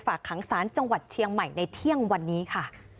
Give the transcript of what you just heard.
ผมก็คงคือคือผมยาว